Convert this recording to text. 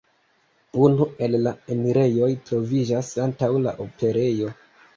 Unu el la enirejoj troviĝas antaŭ la operejo.